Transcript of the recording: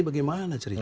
bagaimana cerita ini